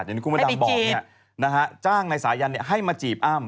อย่างที่คุณพระดำบอกจ้างนายสายันให้มาจีบอ้ำ